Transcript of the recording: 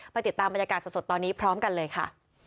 ติดตามบรรยากาศสดตอนนี้พร้อมกันเลยค่ะ